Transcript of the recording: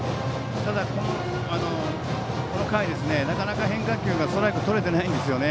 ただ、この回なかなか変化球でストライクがとれてないんですね。